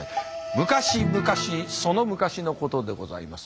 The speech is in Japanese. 昔々その昔のことでございます。